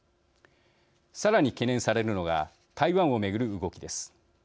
さらに懸念されるのが台湾を巡る動きです。